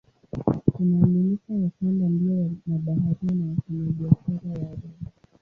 Inaaminika ya kwamba ndio mabaharia na wafanyabiashara Waarabu.